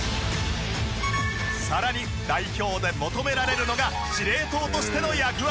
さらに代表で求められるのが司令塔としての役割。